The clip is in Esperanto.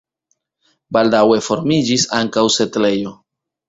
Baldaŭe formiĝis ankaŭ setlejo.